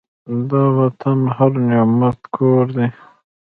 دا وطن د هر نعمت کور دی.